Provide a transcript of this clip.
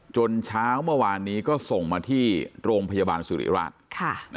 เช้าเมื่อวานนี้ก็ส่งมาที่โรงพยาบาลสุริราช